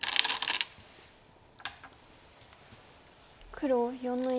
黒４の一。